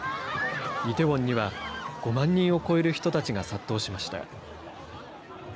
イテウォンには５万人を超える人たちが殺到しました。